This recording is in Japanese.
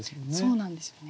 そうなんですよね。